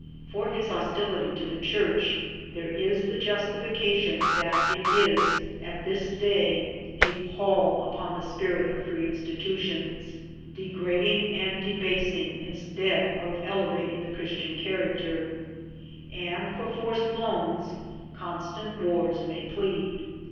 For his hostility to the church there is the justification that it is at this day a pall upon the spirit of free institutions, degrading and debasing instead of elevating the Chris tian character ; and for forced loans constant wars may plead.